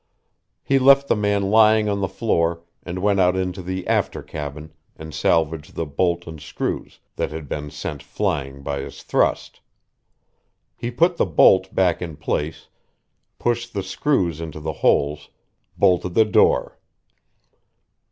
He left the man lying on the floor, and went out into the after cabin and salvaged the bolt and screws that had been sent flying by his thrust. He put the bolt back in place, pushed the screws into the holes, bolted the door....